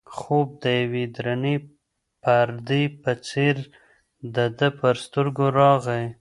خوب د یوې درنې پردې په څېر د ده پر سترګو راغی.